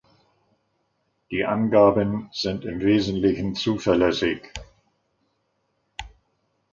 Die Angaben sind im Wesentlichen zuverlässig.